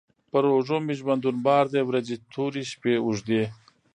پر اوږو مي ژوندون بار دی ورځي توري، شپې اوږدې